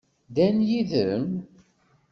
Ddan-d yid-m?